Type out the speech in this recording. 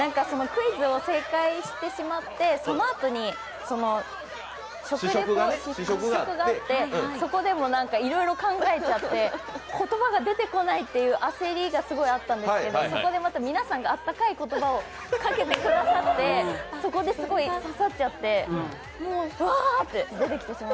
クイズを正解してしまって、そのあとに、試食があってそこでもいろいろ考えちゃって、言葉が出てこないっていう焦りがあったんですけどそこでまた、皆さんがあったかい言葉をかけてくださってそこですごい刺さっちゃって、わーって。